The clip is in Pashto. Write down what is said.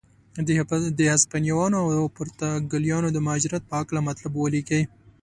د هسپانویانو او پرتګالیانو د مهاجرت په هکله مطلب ولیکئ.